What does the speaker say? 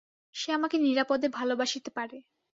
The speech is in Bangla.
সে আমাকে নিরাপদে ভালোবাসিতে পারে।